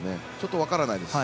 分からないですね。